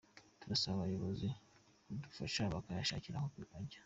Turasaba ubuyobozi kudufasha bakayashakira aho ajya .